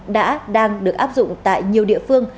đã đang được áp dụng tại nhiều địa phương